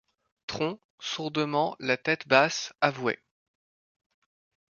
Tron, sourdement, la tête basse, avouait.